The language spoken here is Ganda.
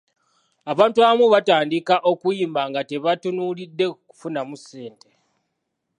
Abantu abamu batandika okuyimba nga tebatunuulidde kufunamu ssente.